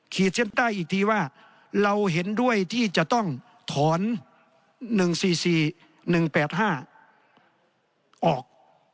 ขีดเส้นใต้อีกทีว่าเราเห็นด้วยที่จะต้องถอน๑๔๔๑๘๕ออก